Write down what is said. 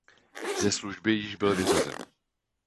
Ze služby již byl vyřazen.